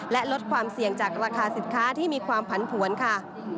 และลดความเสี่ยงจากราคาสินค้าที่มีความผันผวนค่ะ